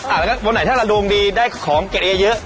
แล้วก็วันไหนถ้าเราดวงดีได้ของเกะเอเยอะ